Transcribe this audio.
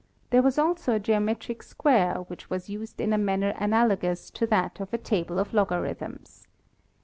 There was also a geometric square which was used in a manner analogous tc that of a table of logarithms.